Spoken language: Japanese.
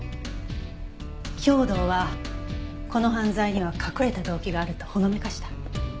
兵働はこの犯罪には隠れた動機があるとほのめかした。